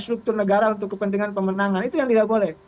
struktur negara untuk kepentingan pemenangan itu yang tidak boleh